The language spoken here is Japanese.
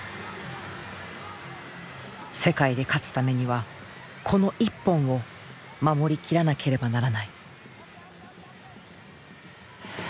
世界で勝つためにはこの一本を守りきらなければならない。